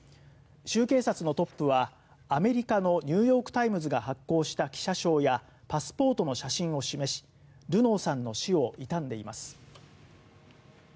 州警察のトップはアメリカのニューヨーク・タイムズが発行した記者証やパスポートの写真を示しルノーさんの死を悼んでいます。